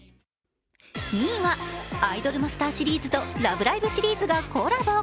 ２位は「アイドルマスター」シリーズと「ラブライブ！」シリーズがコラボ。